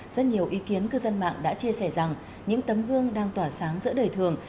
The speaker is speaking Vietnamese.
rất nhiều ý kiến cư dân mạng đã chia sẻ rằng những tấm gương đang tỏa sáng giữa đời thường